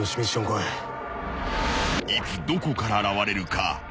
［いつどこから現れるか］